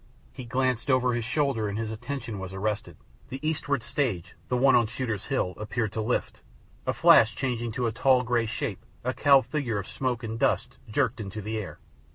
He glanced over his shoulder and his attention was arrested. The eastward stage, the one on Shooter's Hill, appeared to lift; a flash changing to a tall grey shape, a cowled figure of smoke and dust, jerked into the air.